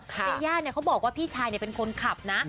ยาย่าเขาบอกว่าพี่ชายเป็นคนขับนะ